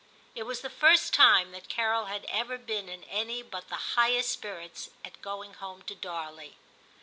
It was the first time that Carol had ever been in any but the highest spirits at going home to Darley.